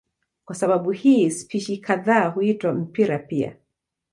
Kwa sababu ya hii spishi kadhaa huitwa mpira pia.